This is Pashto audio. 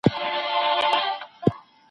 کاري محیط باید د شخصي فکرونو څخه پاک وي.